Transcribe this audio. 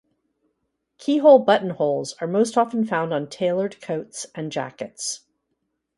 Keyhole buttonholes are most often found on tailored coats and jackets.